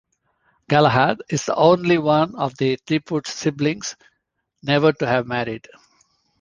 Galahad is the only one of the Threepwood siblings never to have married.